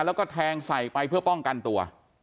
แล้วก็แทงใส่ไปเพื่อป้องกันตัว